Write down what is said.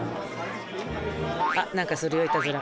あ何かするよいたずら。